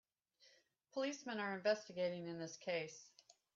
Policemen are investigating in this case.